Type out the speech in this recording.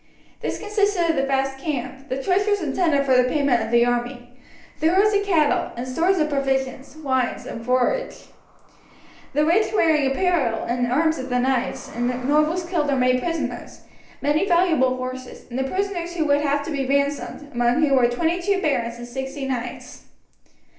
This consisted of the vast camp, the treasures intended for the payment of the army, the herds of cattle, and stores of provisions, wine, and forage; the rich wearing apparel and arms of the knights and nobles killed or made prisoners, many valuable horses, and the prisoners who would have to be ransomed, among whom were twenty two barons and sixty knights.